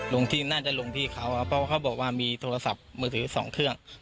ที่น่าจะลงที่เขาเพราะเขาบอกว่ามีโทรศัพท์มือถือสองเครื่อง